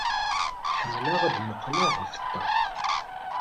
Ḥemmleɣ ad muqqleɣ ɣef ṭṭaq.